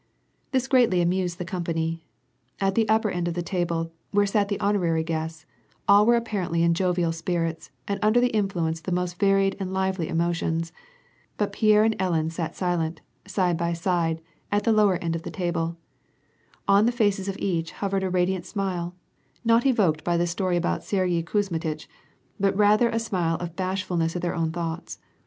"* This greatly amused the company. At the upper end of the table where sat the honorary guests, all were apparently in jovial spirits, and under the influence of the most varied and lively emotions ; but Pierre and Ellen sat silent, side by side, at the lower end of the table ; on the faces of each hovered a radiant smile, not evoked by the story about Sergyei Kuzmitch, but rather a smile of bashfulness at their own thoughts.